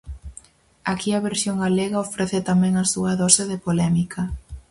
Aquí a versión galega ofrece tamén a súa dose de polémica.